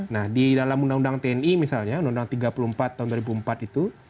nah di dalam undang undang tni misalnya undang undang tiga puluh empat tahun dua ribu empat itu